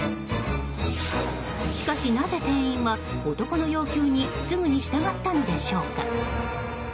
しかし、なぜ店員は男の要求にすぐに従ったのでしょうか。